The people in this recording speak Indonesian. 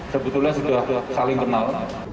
sebetulnya sudah saling kenal